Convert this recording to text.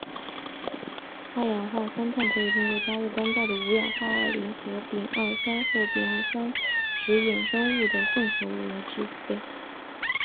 二氧化三碳可以通过加热干燥的五氧化二磷和丙二酸或丙二酸酯衍生物的混合物来制备。